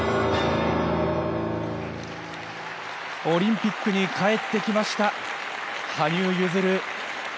オリンピックに帰ってきました、羽生結弦。